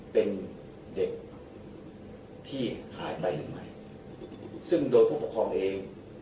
เป็นเด็กที่หายไปหรือไม่ซึ่งโดยผู้ปกครองเอง